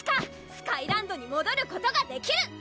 スカイランドにもどることができる！